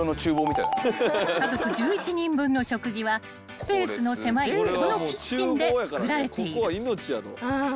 ［家族１１人分の食事はスペースの狭いこのキッチンで作られている］